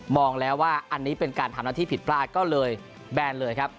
แล้วว่าอันนี้เป็นการทำหน้าที่ผิดพลาดก็เลยแบนเลยครับ